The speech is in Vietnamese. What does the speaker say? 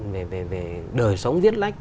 về đời sống viết lách